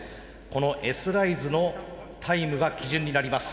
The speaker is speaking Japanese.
このＳライズのタイムが基準になります。